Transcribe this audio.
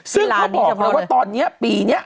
ซึ่งเขาบอกเลยว่าตอนนี้ปีนี้